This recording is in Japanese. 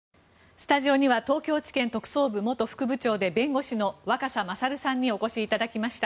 スタジオには東京地検特捜部元副部長で弁護士の若狭勝さんにお越しいただきました。